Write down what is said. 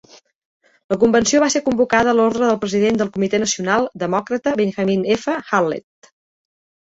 La convenció va ser convocada a l'ordre pel president del Comitè Nacional Demòcrata Benjamin F. Hallett.